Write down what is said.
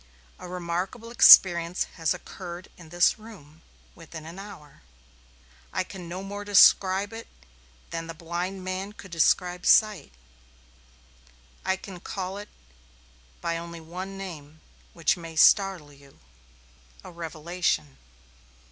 A remarkable experience has occurred in this room within an hour. I can no more describe it than the man born blind could describe sight. I can only call it by one name, which may startle you. A revelation."